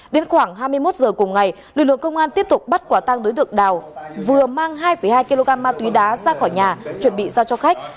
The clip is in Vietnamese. đến khoảng hai mươi một h cùng ngày lực lượng công an tiếp tục bắt quả tăng đối tượng đào vừa mang hai hai kg ma túy đá ra khỏi nhà chuẩn bị giao cho khách